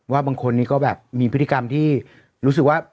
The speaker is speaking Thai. บางคนนี้ก็แบบมีพฤติกรรมที่รู้สึกว่า